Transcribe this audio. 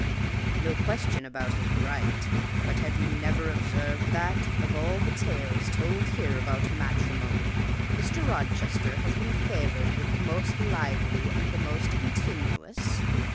"No question about his right: but have you never observed that, of all the tales told here about matrimony, Mr. Rochester has been favoured with the most lively and the most continuous?"